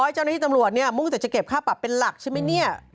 เจ้าหน้าที่ตำรวจเนี่ยมุ่งแต่จะเก็บค่าปรับเป็นหลักใช่ไหมเนี่ย